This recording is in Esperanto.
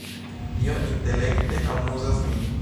Tio intelekte amuzas min!